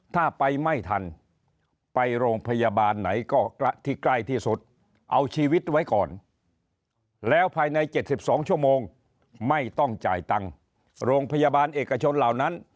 ถ้าไปไม่ทันไปโรงพยาบาลไหนก็ที่ใกล้ที่สุดเอาชีวิตไว้ก่อนแล้วภายใน๗๒ชั่วโมงไม่ต้องจ่ายตังค์โรงพยาบาลเอกชนเหล่านั้น